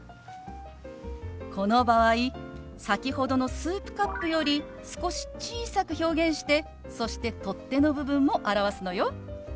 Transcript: この場合先ほどのスープカップより少し小さく表現してそして取っ手の部分も表すのよ。